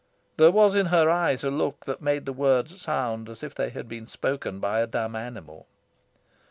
There was in her eyes a look that made the words sound as if they had been spoken by a dumb animal.